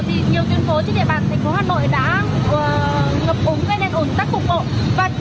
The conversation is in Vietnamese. nhiều tuyên phố trên địa bàn thành phố hà nội đã ngập úng gây nên ổn tắc cục bộ